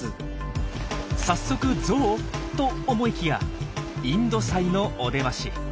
早速ゾウ？と思いきやインドサイのお出まし。